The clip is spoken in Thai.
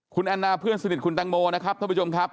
คุณแอนนาเพื่อนสนิทคุณตังโมนะครับท่านผู้ชมครับ